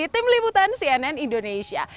tim liputan cnn indonesia